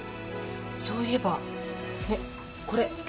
そういえばこれ。